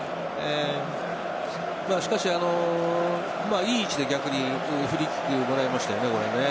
しかし、いい位置で逆にフリーキックもらえましたよね。